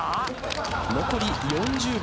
残り４０秒です。